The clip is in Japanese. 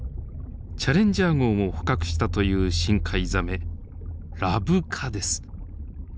チャレンジャー号も捕獲したという深海ザメラブカです。